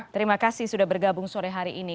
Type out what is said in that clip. terima kasih sudah bergabung sore hari ini